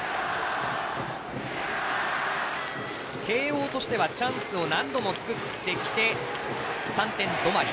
慶応としてはチャンスを何度も作ってきて３点止まり。